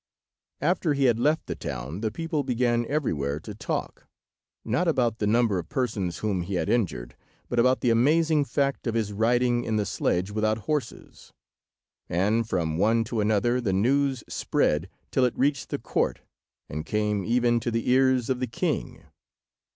After he had left the town the people began everywhere to talk, not about the number of persons whom he had injured, but about the amazing fact of his riding in the sledge without horses; and from one to another the news spread till it reached the court, and came even to the ears of the king.